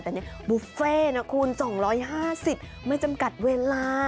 แต่นี่บุฟเฟ่นะคุณ๒๕๐ไม่จำกัดเวลา